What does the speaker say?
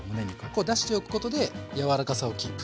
こう出しておくことでやわらかさをキープ。